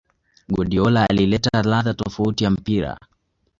Guardiola alileta ladha tofauti ya mpira